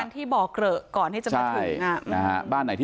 ป้าอันนาบอกว่าตอนนี้ยังขวัญเสียค่ะไม่พร้อมจะให้ข้อมูลอะไรกับนักข่าวนะคะ